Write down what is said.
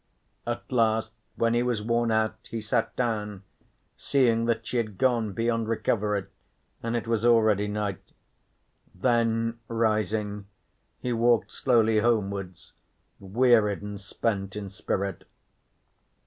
At last when he was worn out he sat down, seeing that she had gone beyond recovery and it was already night. Then, rising, he walked slowly homewards, wearied and spent in spirit.